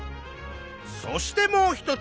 そしてもう一つ。